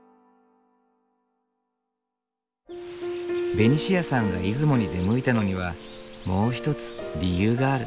ベニシアさんが出雲に出向いたのにはもう一つ理由がある。